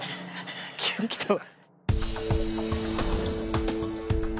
急に来たわ。